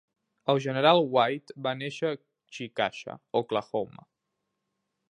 El general White va néixer a Chickasha, Oklahoma.